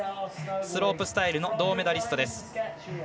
スロープスタイルの銅メダリストです。